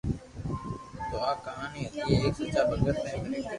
تو آ ڪہاني ھتي ايڪ سچا ڀگت ھين ايڪ